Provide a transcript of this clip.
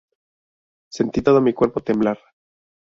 Sentí todo mi cuerpo temblar.